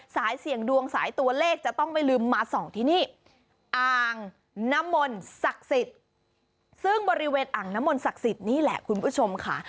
เสี่ยงดวงสายตัวเลขจะต้องไม่ลืมมาส่องที่นี่อ่างน้ำมนต์ศักดิ์สิทธิ์ซึ่งบริเวณอ่างน้ำมนศักดิ์สิทธิ์นี่แหละคุณผู้ชมค่ะ